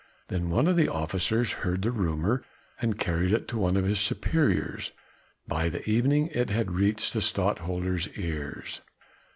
then one of the officers heard the rumour and carried it to one of his superiors.... By the evening it had reached the Stadtholder's ears."